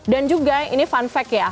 dan juga ini fun fact ya